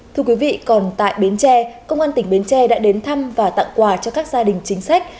thưa quý vị còn tại bến tre công an tỉnh bến tre đã đến thăm và tặng quà cho các gia đình chính sách